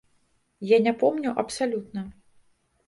Я не помню абсалютна.